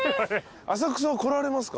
浅草は来られますか？